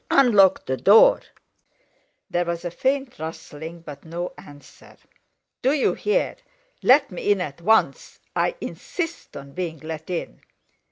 Unlock the door!" There was a faint rustling, but no answer. "Do you hear? Let me in at once—I insist on being let in!"